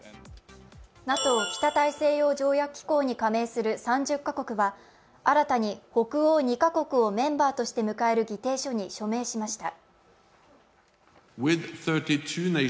ＮＡＴＯ＝北大西洋条約機構に加盟する３０カ国は新たに北欧２か国をメンバーとして迎える議定書に署名しました。